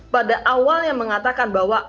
pada awal yang mengatakan bahwa